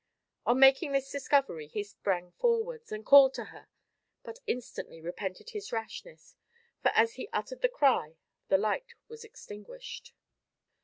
On making this discovery, he sprang forwards, and called to her, but instantly repented his rashness, for as he uttered the cry the light was extinguished.